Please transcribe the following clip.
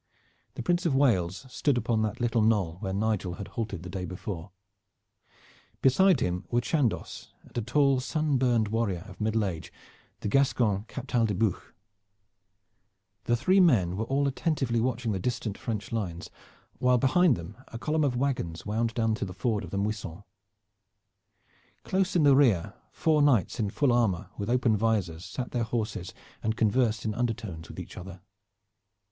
The Prince of Wales stood upon that little knoll where Nigel had halted the day before. Beside him were Chandos, and a tall sun burned warrior of middle age, the Gascon Captal de Buch. The three men were all attentively watching the distant French lines, while behind them a column of wagons wound down to the ford of the Muisson. Close in the rear four knights in full armor with open visors sat their horses and conversed in undertones with each other.